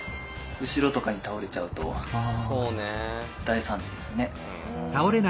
後ろとかに倒れちゃうと大惨事ですね。